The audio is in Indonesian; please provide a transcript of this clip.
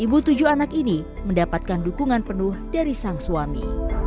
ibu tujuh anak ini mendapatkan dukungan penuh dari sang suami